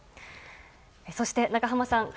そして、長濱さん。